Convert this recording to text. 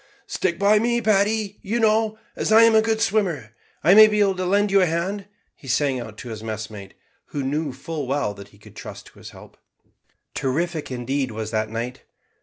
"Stick by me, Paddy, you know; as I'm a good swimmer I may be able to lend you a hand," he sang out to his messmate, who knew full well that he could trust to his help. Terrific, indeed, was that night.